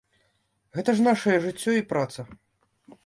Гэта ж нашае жыццё і праца.